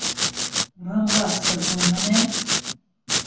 Урамға сығыу менән.